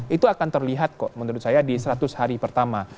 itu akan terlihat kok menurut saya di seratus hari pertama